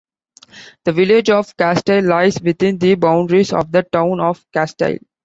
The Village of Castile lies within the boundaries of the Town of Castile.